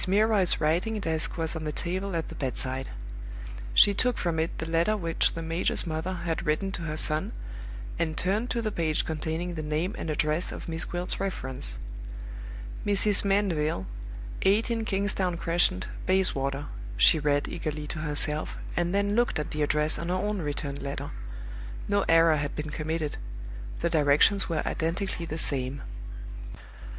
Milroy's writing desk was on the table at the bedside. She took from it the letter which the major's mother had written to her son, and turned to the page containing the name and address of Miss Gwilt's reference. "Mrs. Mandeville, 18 Kingsdown Crescent, Bayswater," she read, eagerly to herself, and then looked at the address on her own returned letter. No error had been committed: the directions were identically the same.